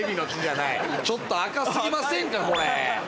ちょっと赤すぎませんか？